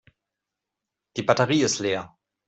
Die Batterie ist leer.